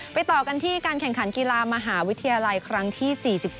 ต่อกันที่การแข่งขันกีฬามหาวิทยาลัยครั้งที่๔๒